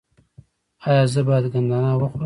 ایا زه باید ګندنه وخورم؟